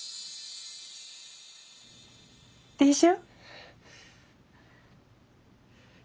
でしょ。